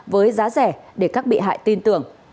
với giá rẻ để các bị hại tin tưởng